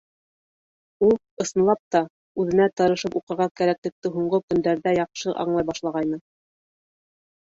Ул, ысынлап та, үҙенә тырышып уҡырға кәрәклекте һуңғы көндәрҙә яҡшы аңлай башлағайны.